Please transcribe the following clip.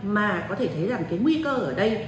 mà có thể thấy rằng cái nguy cơ ở đây